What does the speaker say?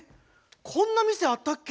こんな店あったっけ？